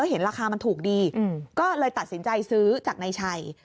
เห็นราคามันถูกดีก็เลยตัดสินใจซื้อจากนายชัย